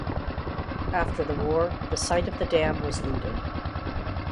After the war, the site of the dam was looted.